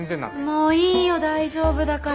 もういいよ大丈夫だから。